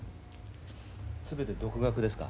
全て独学ですか？